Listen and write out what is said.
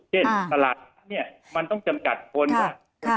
เช่นตลาดนี้มันต้องจำกัดคนค่ะ